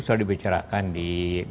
sudah dibicarakan di